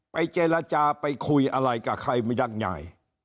ไปเจรจาไปคุยอะไรกับใครไม่ได้ยังไง